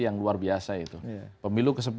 yang luar biasa itu pemilu ke sepuluh